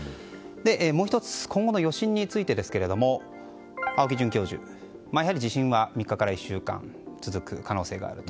もう１つ今後の余震についてですが青木准教授やはり地震は３日から１週間続く可能性があると。